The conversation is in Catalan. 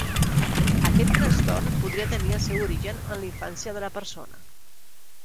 Aquest trastorn podria tenir el seu origen en l"infància de la persona.